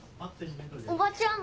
おばちゃん。